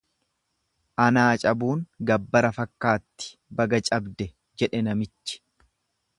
Anaa cabuun gabbara fakkaatti baga cabde jedhe namichi.